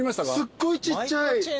すごいちっちゃい。